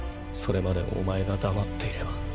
それまでお前が黙っていれば。